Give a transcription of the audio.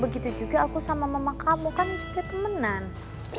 begitu juga aku sama mama kamu kan juga temenan